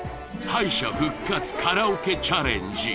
敗者復活カラオケチャレンジ